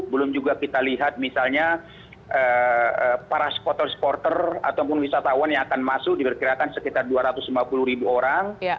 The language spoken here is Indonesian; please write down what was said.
belum juga kita lihat misalnya para spotor sporter ataupun wisatawan yang akan masuk diperkirakan sekitar dua ratus lima puluh ribu orang